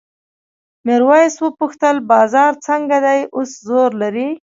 میرويس وپوښتل بازار څنګه دی اوس زور لري؟